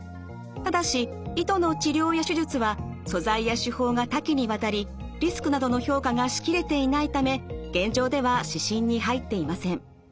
ただし糸の治療や手術は素材や手法が多岐にわたりリスクなどの評価がしきれていないため現状では指針に入っていません。